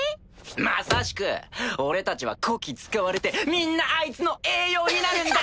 まさしく俺たちはこき使われてみんなあいつの栄養になるんだ！